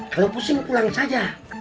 kalau pusing pulang saja